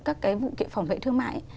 các cái vụ việc phòng vệ thương mại